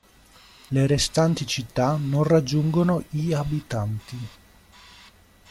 Le restanti città non raggiungono i abitanti.